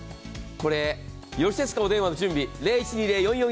よろしいですか、お電話の準備。